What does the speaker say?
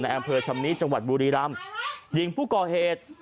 ในแอมเภอชำนี้จังหวัดบุรีรัมยิ่งผู้ก่อเหตุ